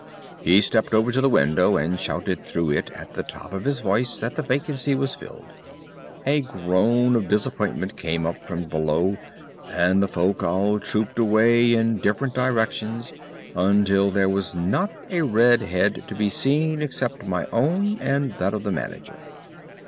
He stepped over to the window and shouted through it at the top of his voice that the vacancy was filled. A groan of disappointment came up from below, and the folk all trooped away in different directions until there was not a red head to be seen except my own and that of the manager.